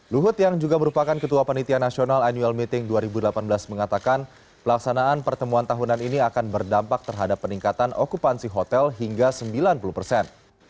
luhut yang juga merupakan ketua penitia nasional annual meeting dua ribu delapan belas mengatakan pelaksanaan pertemuan tahunan ini akan berdampak terhadap peningkatan okupansi hotel hingga sembilan puluh persen